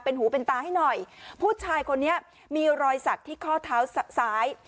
หูเป็นตาให้หน่อยผู้ชายคนนี้มีรอยสักที่ข้อเท้าซ้าย